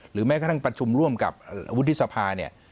แม้กระทั่งประชุมร่วมกับวุฒิสภาเนี่ย